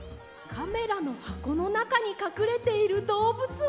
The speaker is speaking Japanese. カメラのはこのなかにかくれているどうぶつは。